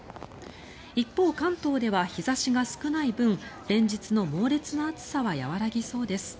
一方、関東では日差しが少ない分連日の猛烈な暑さは和らぎそうです。